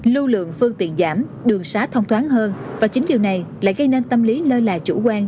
lưu lượng phương tiện giảm đường xá thông thoáng hơn và chính điều này lại gây nên tâm lý lơ là chủ quan